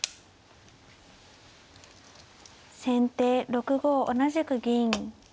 先手６五同じく銀。